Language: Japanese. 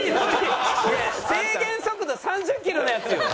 制限速度３０キロのやつよ。